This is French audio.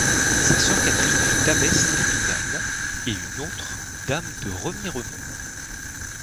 Sa sœur Catherine fut abbesse d'Épinal, et une autre, Dame de Remiremont.